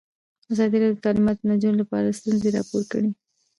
ازادي راډیو د تعلیمات د نجونو لپاره ستونزې راپور کړي.